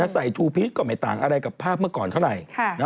ใส่ทูพีชก็ไม่ต่างอะไรกับภาพเมื่อก่อนเท่าไหร่